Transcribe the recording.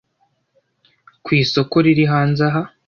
ku isoko riri hanze aha,